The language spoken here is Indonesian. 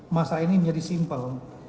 masalah ini menjadi simpel